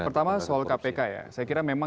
pertama soal kpk ya saya kira memang